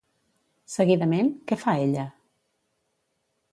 Seguidament, què fa ella?